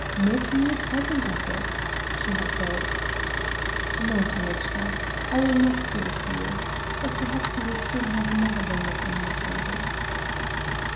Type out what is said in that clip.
"Make me a present of it," she had begged. "No, Tanechka, I will not give it to you. But perhaps you will soon have another ring upon your finger."